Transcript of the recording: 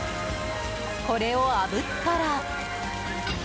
これをあぶったら。